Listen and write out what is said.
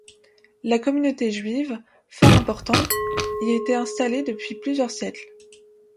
La communauté juive, fort importante, y était installée depuis plusieurs siècles.